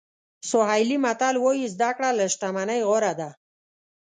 سوهیلي متل وایي زده کړه له شتمنۍ غوره ده.